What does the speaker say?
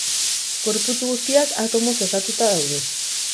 Gorputz guztiak atomoz osatuta daude.